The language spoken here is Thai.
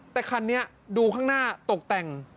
แต่คันนี้ดูข้างหน้าตกแต่ง